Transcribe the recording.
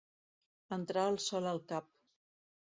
Entrar el sol al cap.